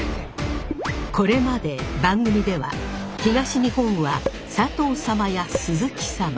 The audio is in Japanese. これまで番組では東日本は佐藤様や鈴木様